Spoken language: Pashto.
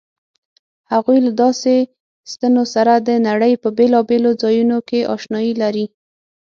هغوی له داسې ستنو سره د نړۍ په بېلابېلو ځایونو کې آشنايي لري.